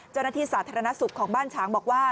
เจ้าหน้าที่สาธารณสุขของบ้านฉางบอกว่า